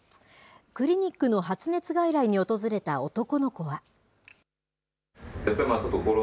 クリニックの発熱外来に訪れた男の子は。